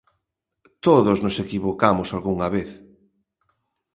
Todos nos equivocamos algunha vez.